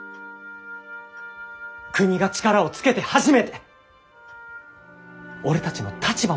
国が力をつけて初めて俺たちの立場も変わるんだ。